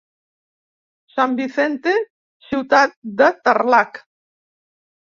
San Vicente, ciutat de Tarlac.